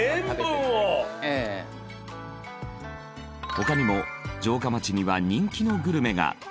他にも城下町には人気のグルメが。